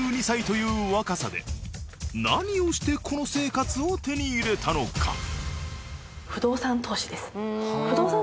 ３２歳という若さで何をしてこの生活を手に入れたのか？